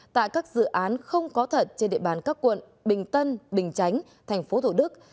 tại các dự án không có thật trên địa bàn các quận bình tân bình chánh tp thủ đức